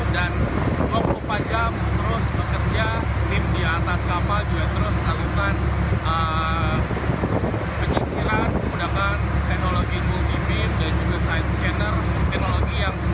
dengan semakin sempitnya pencarian diharapkan makin besar kemungkinan menemukan objek di dasar laut